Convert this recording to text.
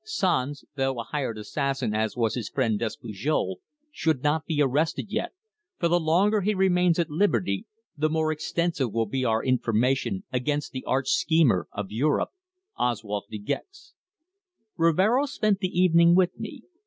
Sanz, though a hired assassin as was his friend Despujol, should not be arrested yet, for the longer he remains at liberty the more extensive will be our information against the arch schemer of Europe, Oswald De Gex." Rivero spent the evening with me.